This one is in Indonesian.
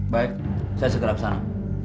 baik saya segera ke sana